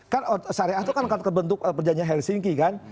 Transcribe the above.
kan syariah itu akan terbentuk perjanjian helsinki kan